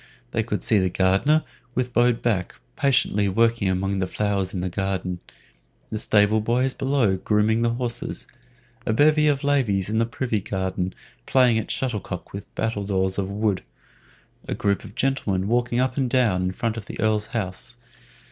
They could see the gardener, with bowed back, patiently working among the flowers in the garden, the stable boys below grooming the horses, a bevy of ladies in the privy garden playing at shuttlecock with battledoors of wood, a group of gentlemen walking up and down in front of the Earl's house.